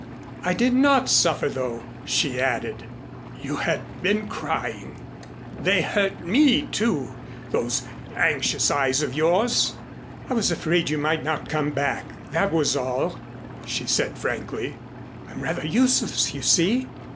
"I did not suffer, though," she added. "You had been crying they hurt me, too, those anxious eyes of yours." "I was afraid you might not come back, that was all," she said frankly. "I'm rather useless, you see."